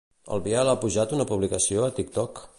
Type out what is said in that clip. El Biel ha pujat una publicació a TikTok?